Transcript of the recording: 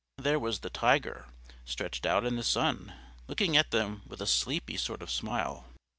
There was the Tiger, stretched out in the sun, looking at them with a sleepy sort of smile.